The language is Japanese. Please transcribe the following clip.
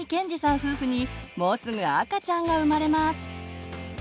夫婦にもうすぐ赤ちゃんが生まれます。